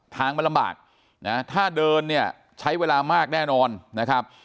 ทางมันลำบากนะถ้าเดินเนี่ยใช้เวลามากแน่นอนนะครับ